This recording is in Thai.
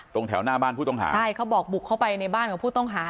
ตรงแถวหน้าบ้านผู้ต้องหาใช่เขาบอกบุกเข้าไปในบ้านของผู้ต้องหา